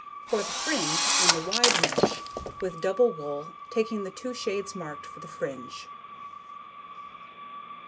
For the fringe, on the wide mesh, with double wool, taking the 2 shades marked for the fringe.